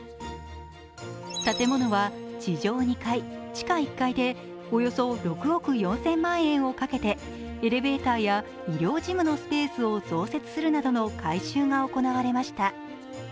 建物は地上２階、地下１階でおよそ６億４０００万円をかけてエレベーターや医療事務のスペースを増設するなどの回収が行われました。